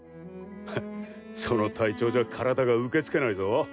フッその体調じゃ体が受け付けないぞ。